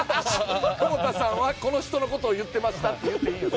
「久保田さんはこの人の事を言ってました」って言っていいんやぞ。